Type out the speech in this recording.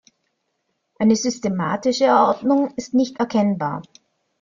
Eine systematische Ordnung ist nicht erkennbar.